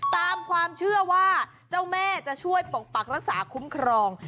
ตามความเชื่อว่าเจ้าแม่จะช่วยปกปักรักษาคุ้มครอง